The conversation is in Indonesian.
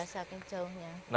iya saking jauhnya